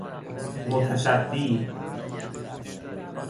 متصدی